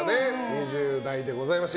２０代でございました。